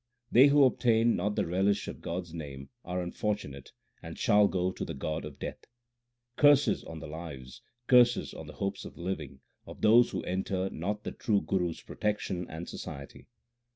They who obtain not the relish of God s name are unfor tunate, and shall go to the god of death. Curses on the lives, curses on the hopes of living, of those who enter not the true Guru s protection and society